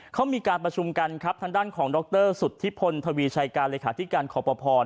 เขามีการประชุมกันครับทางด้านของดรสุทธิพลทวีชัยการเลขาธิการขอปภ